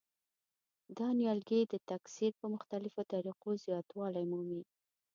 دا نیالګي د تکثیر په مختلفو طریقو زیاتوالی مومي.